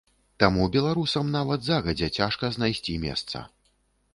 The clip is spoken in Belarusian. Таму беларусам нават загадзя цяжка знайсці месца.